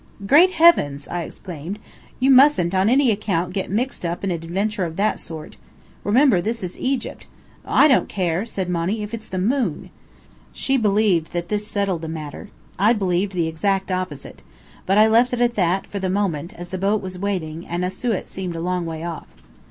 "Great heavens!" I exclaimed. "You mustn't on any account get mixed up in an adventure of that sort! Remember, this is Egypt " "I don't care," said Monny, "if it's the moon." She believed that this settled the matter. I believed the exact opposite. But I left it at that, for the moment, as the boat was waiting, and Asiut seemed a long way off.